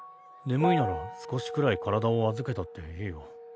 眠いなら少しくらい体を預けたっていいよ。